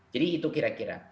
jadi itu kira kira